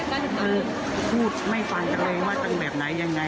คือพูดไม่ฟังอะไรว่าตั้งแบบไหนยังไง